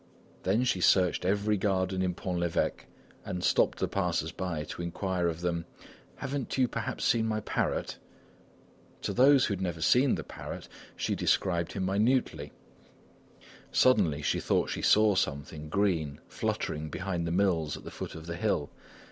Then she searched every garden in Pont l'Evêque and stopped the passers by to inquire of them: "Haven't you perhaps seen my parrot?" To those who had never seen the parrot, she described him minutely. Suddenly she thought she saw something green fluttering behind the mills at the foot of the hill.